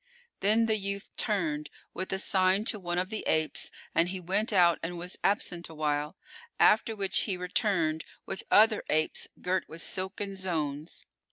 Then the youth turned with a sign to one of the apes, and he went out and was absent awhile, after which he returned with other apes girt with silken zones.